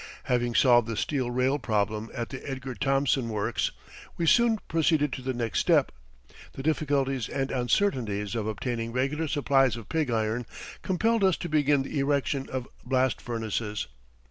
Having solved the steel rail problem at the Edgar Thomson Works, we soon proceeded to the next step. The difficulties and uncertainties of obtaining regular supplies of pig iron compelled us to begin the erection of blast furnaces.